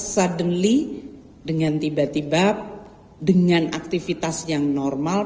suddenly dengan tiba tiba dengan aktivitas yang normal